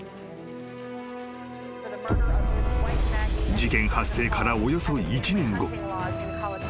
［事件発生からおよそ１年後］